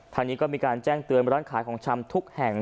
ทางนี้ก็มีการแจ้งเตือนร้านขายของชำทุกแห่ง